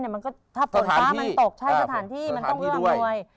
อันนี้ค่ะสถานที่ใช่สถานที่ก็ต้องเรียกบังนวย